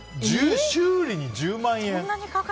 修理に１０万円？